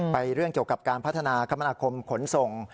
เรื่องเกี่ยวกับการพัฒนาคมนาคมขนส่ง